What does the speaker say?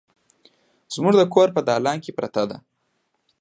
زموږ د کور په دالان کې پرته ده